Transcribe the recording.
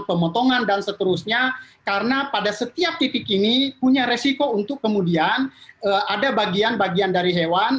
pemotongan dan seterusnya karena pada setiap titik ini punya resiko untuk kemudian ada bagian bagian dari hewan